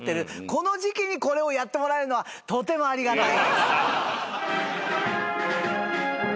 この時期にこれをやってもらえるのはとてもありがたい。